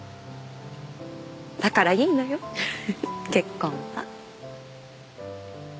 だからいいのよ結婚は。